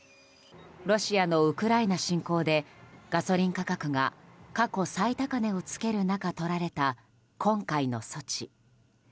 ロシアのウクライナ侵攻でガソリン価格が過去最高値を付ける中とられた今回の措置。